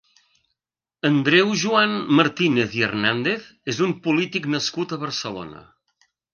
Andreu Joan Martínez i Hernández és un polític nascut a Barcelona.